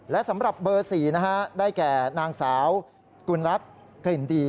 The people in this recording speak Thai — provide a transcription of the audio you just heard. และสำหรับบ๔ได้แก่นางสาวกุณฤทธิ์กลิ่นดี